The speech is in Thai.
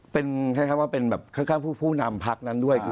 เป็นคล้ายแค่ผู้นำพรรคนั้นด้วย